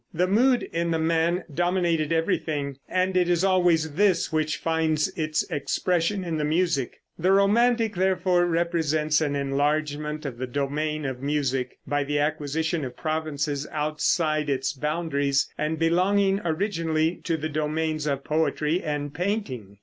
The mood in the man dominated everything, and it is always this which finds its expression in the music. The romantic, therefore, represents an enlargement of the domain of music, by the acquisition of provinces outside its boundaries, and belonging originally to the domains of poetry and painting.